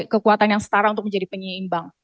kekuatan yang setara untuk menjadi penyeimbang